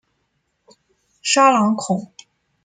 沙朗孔。